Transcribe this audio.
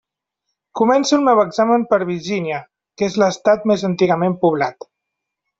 Començo el meu examen per Virgínia, que és l'estat més antigament poblat.